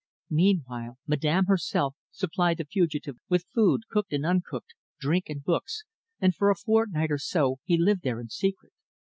Meanwhile Madame herself supplied the fugitive with food, cooked and uncooked, drink and books, and for a fortnight or so he lived there in secret.